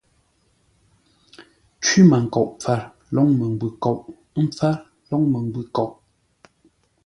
Cwímənkoʼ pfâr, lóŋ məngwʉ̂ kôʼ; ə́ mpfár, lôŋ məngwʉ̂ kôʼ.